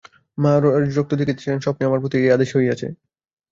মা রাজরক্ত দেখিতে চান, স্বপ্নে আমার প্রতি এই আদেশ হইয়াছে।